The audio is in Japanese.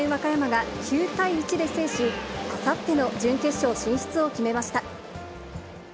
和歌山が９対１で制し、あさっての準決勝進出を決めました。